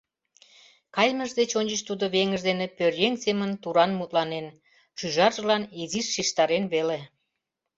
Каймыж деч ончыч тудо веҥыж дене пӧръеҥ семын туран мутланен, шӱжаржылан изиш шижтарен веле.